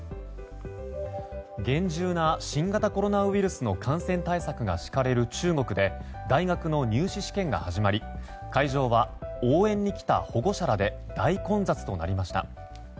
厳重な新型コロナウイルスの感染対策が敷かれる中国で大学の入試試験が始まり会場は応援に来た保護者らで大混雑となりました。